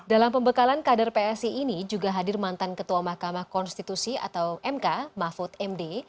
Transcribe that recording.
dalam pembekalan kader psi ini juga hadir mantan ketua mahkamah konstitusi atau mk mahfud md